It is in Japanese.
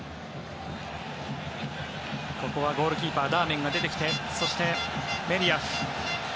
ここはゴールキーパーダーメンが出てきてそして、メリアフ。